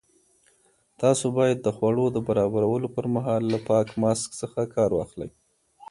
تاسو باید د خوړو د برابرولو پر مهال له پاک ماسک څخه کار واخلئ.